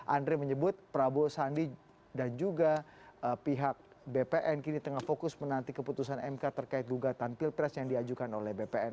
andre menyebut prabowo sandi dan juga pihak bpn kini tengah fokus menanti keputusan mk terkait gugatan pilpres yang diajukan oleh bpn